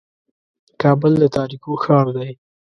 کابل د تاریکو ښار دی.